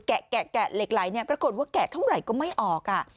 แกะเหล็กไหลเนี่ยปรากฏว่าแกะเท่าไหร่ก็ไม่ออก